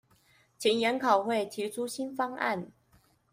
請研考會提出新方案